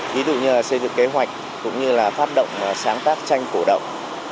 ví dụ như là xây dựng kế hoạch cũng như là phát động sáng tác tranh cổ động